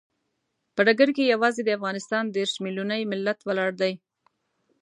په ډګر کې یوازې د افغانستان دیرش ملیوني ملت ولاړ دی.